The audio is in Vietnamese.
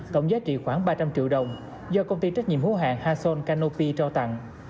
tổng giá trị khoảng ba trăm linh triệu đồng do công ty trách nhiệm hữu hạng hason canopee trao tặng